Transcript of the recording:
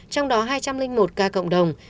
trong đó hai trăm linh một ca cộng đồng